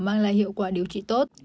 mang lại hiệu quả điều trị tốt